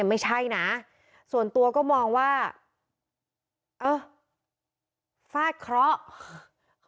ไม่ใช่นะส่วนตัวก็มองว่าเออฟาดเคราะห์